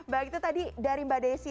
baik itu tadi dari mbak desi